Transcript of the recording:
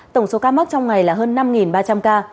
tổng số ca mắc trong ngày là hơn năm ba trăm linh ca